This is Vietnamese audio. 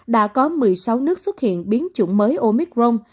đã có một mươi sáu nước xuất hiện biến chủng mới omicron